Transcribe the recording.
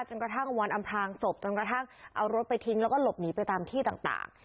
กระทั่งวันอำพลางศพจนกระทั่งเอารถไปทิ้งแล้วก็หลบหนีไปตามที่ต่าง